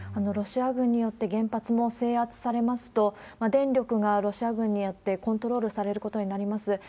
ロシア軍によって、原発も制圧されますと、電力がロシア軍によってコントロールされることになります。